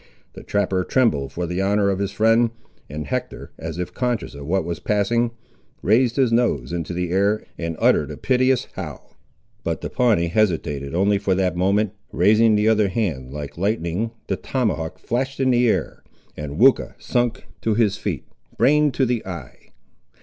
The trapper trembled for the honour of his friend; and Hector, as if conscious of what was passing, raised his nose into the air, and uttered a piteous howl. But the Pawnee hesitated, only for that moment. Raising the other hand, like lightning, the tomahawk flashed in the air, and Weucha sunk to his feet, brained to the eye.